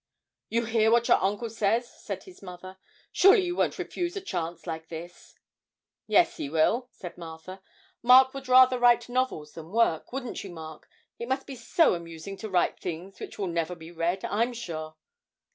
'You hear what your uncle says?' said his mother. 'Surely you won't refuse a chance like this.' 'Yes, he will,' said Martha. 'Mark would rather write novels than work, wouldn't you, Mark? It must be so amusing to write things which will never be read, I'm sure.'